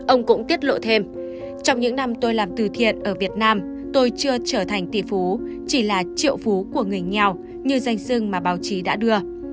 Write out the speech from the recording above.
ông cũng tiết lộ thêm trong những năm tôi làm từ thiện ở việt nam tôi chưa trở thành tỷ phú chỉ là triệu phú của người nghèo như danh sưng mà báo chí đã đưa